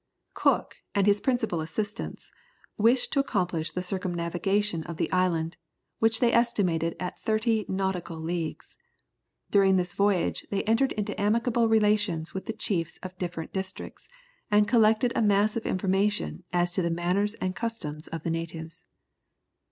Cook, and his principal assistants, wished to accomplish the circumnavigation of the island, which they estimated at thirty nautical leagues. During this voyage they entered into amicable relations with the chiefs of different districts, and collected a mass of information as to the manners and customs of the natives.